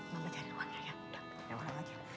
mama cari uangnya ya